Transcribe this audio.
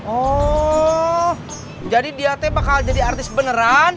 oh jadi dia teh bakal jadi artis beneran